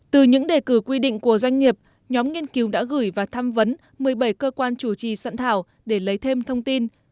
từ những đề cử quy định của doanh nghiệp nhóm nghiên cứu đã gửi và tham vấn một mươi bảy cơ quan chủ trì soạn thảo để lấy thêm thông tin